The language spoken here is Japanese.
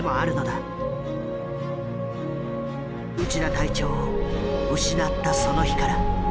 内田隊長を失ったその日から。